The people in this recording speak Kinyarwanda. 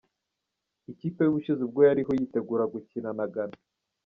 Ikipe y’ubushize ubwo yariho yitegura gukina na Ghana.